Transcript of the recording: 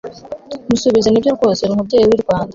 musubizenibyo rwose uri umubyeyi w'i rwanda